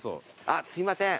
あっすいません。